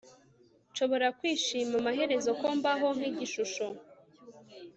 Nshobora kwishima amaherezo Ko mbaho nkigishusho